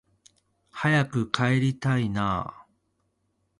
早く帰りたいなあ